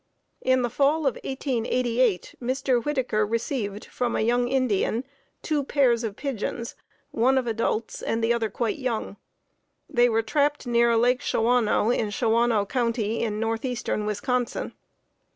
In the fall of 1888 Mr. Whittaker received from a young Indian two pairs of pigeons, one of adults and the other quite young. They were trapped near Lake Shawano, in Shawano County in northeastern Wisconsin.